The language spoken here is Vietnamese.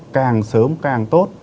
càng sớm càng tốt